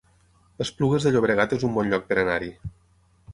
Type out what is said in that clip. Esplugues de Llobregat es un bon lloc per anar-hi